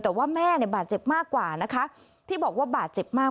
แต่ว่าแม่เนี่ยบาดเจ็บมากกว่านะคะที่บอกว่าบาดเจ็บมาก